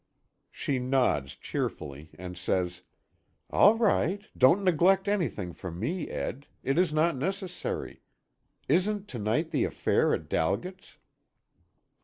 She nods cheerfully, and says: "All right! don't neglect anything for me, Ed it is not necessary. Isn't to night the affair at Dalget's?"